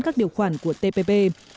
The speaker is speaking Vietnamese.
các điều khoản của tpp